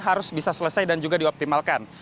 harus bisa selesai dan juga dioptimalkan